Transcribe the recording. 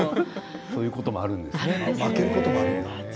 そういうこともあるんですね。